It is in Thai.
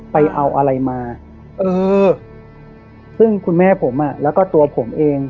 ไปเอาอะไรมาเออซึ่งคุณแม่ผมอ่ะแล้วก็ตัวผมเอง